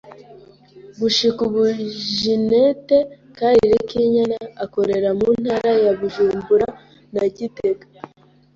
Gushika ubu Ginette Karirekinyana akorera mu ntara za Bujumbura na Gitega